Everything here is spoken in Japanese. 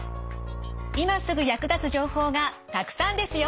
今すぐ役立つ情報がたくさんですよ。